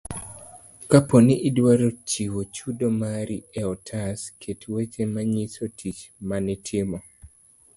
kapo ni idwaro nyiso chudo mari e otas, ket weche manyiso tich manitimo.